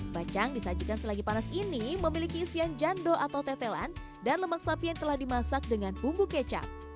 kacang disajikan selagi panas ini memiliki isian jando atau tetelan dan lemak sapi yang telah dimasak dengan bumbu kecap